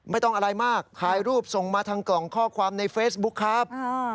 ไม่ต้องอะไรมากถ่ายรูปส่งมาทางกล่องข้อความในเฟซบุ๊คครับ